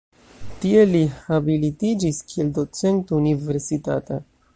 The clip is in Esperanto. Tie li habilitiĝis kiel docento universitata.